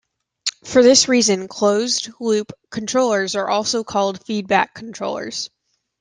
For this reason, closed loop controllers are also called feedback controllers.